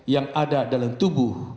yang ada dalam tubuh